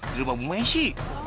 di rumah bu messi